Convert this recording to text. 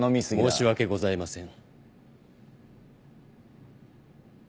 申し訳ございません。